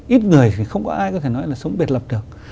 ít người thì không có ai có thể nói là sống biệt lập được